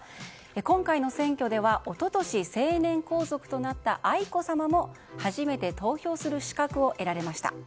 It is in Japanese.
今回の選挙では一昨年成年皇族となった愛子さまも初めて投票する資格を得られました。